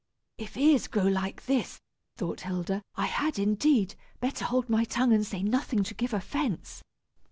"If ears grow like this," thought Hilda, "I had, indeed, better hold my tongue and say nothing to give offence."